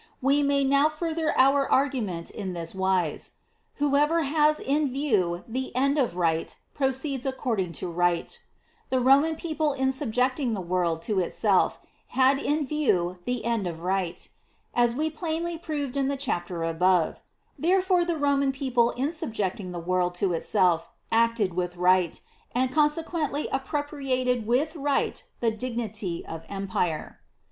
We may now further our argument in this wise : Who ever has in view the end of Right proceeds according to Right ; the Roman people in subjecting the world to itself had in view the end of Right, as we plainly proved in the chap ter above ;' therefore the Roman people in subjecting the world to itself acted with Right, ahd consequently appropriated with Right the dignity of Empire.